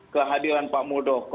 kehadiran pak muldoko